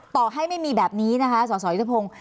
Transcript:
ต่อให้ไม่มีแบบนี้นะคะสสยุทธพงศ์